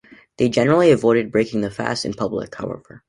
They generally avoided breaking the fast in public, however.